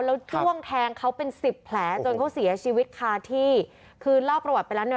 แล้วจ้วงแทงเขาเป็นสิบแผลจนเขาเสียชีวิตคาที่คือเล่าประวัติไปแล้วเนี่ย